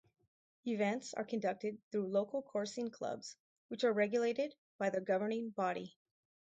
Events are conducted through local coursing clubs which are regulated by their governing body.